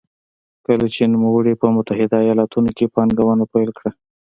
کله چې نوموړي په متحده ایالتونو کې پانګونه پیل کړه.